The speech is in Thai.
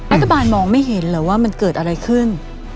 รัฐบาลมองไม่เห็นเหรอว่ามันเกิดอะไรขึ้น